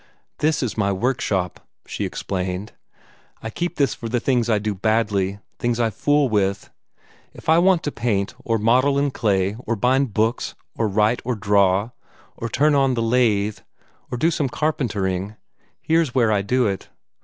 "This is my workshop," she explained. "I keep this for the things I do badly things I fool with. If I want to paint, or model in clay, or bind books, or write, or draw, or turn on the lathe, or do some carpentering, here's where I do it.